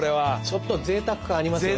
ちょっとぜいたく感ありますよね。